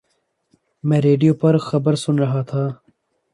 میں ریڈیو پر خبر سن رہا تھا